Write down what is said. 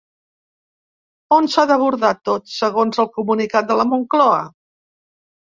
On s'ha d'abordar tot segons el comunicat de la Moncloa?